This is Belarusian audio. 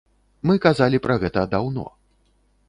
Мы казалі пра гэта даўно.